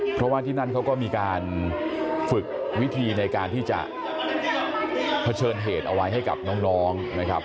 เพราะว่าที่นั่นเขาก็มีการฝึกวิธีในการที่จะเผชิญเหตุเอาไว้ให้กับน้องนะครับ